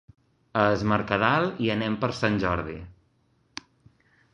A Es Mercadal hi anem per Sant Jordi.